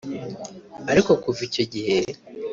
Ariko kuva icyo gihe